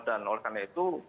dan oleh karena itu